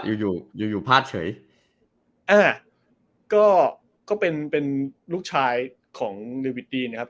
อยู่อยู่อยู่พลาดเฉยอ่าก็ก็เป็นเป็นลูกชายของนิวิตตี้นะครับ